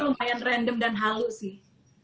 itu lumayan random dan halu sih